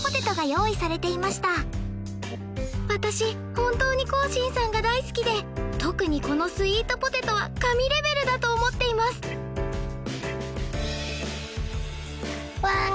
本当に興伸さんが大好きで特にこのスイートポテトは神レベルだと思っていますわい